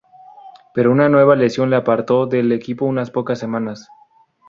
Pero una nueva lesión la apartó del equipo unas pocas semanas.